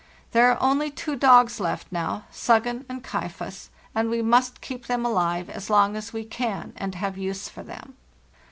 There are only two dogs left now—' Suggen' and © Kaifas' and we must keep them alive as long as we can, and have use for them.